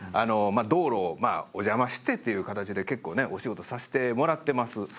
道路をお邪魔してっていう形で結構ねお仕事さしてもらってます。